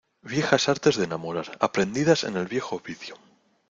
¡ viejas artes de enamorar, aprendidas en el viejo Ovidio!